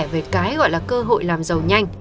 về cái gọi là cơ hội làm giàu nhanh